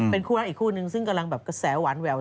เป็นคู่รักอีกคู่นึงซึ่งกำลังแบบกระแสหวานแหวว